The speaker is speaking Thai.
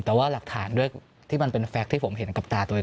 แต่ว่าหลักฐานด้วยที่มันเป็นแฟคที่ผมเห็นกับตาตัวเอง